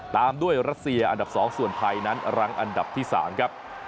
ตามด้วยรัสเซียอันดับ๒ส่วนไทยนั้นรั้งอันดับที่๓ครับ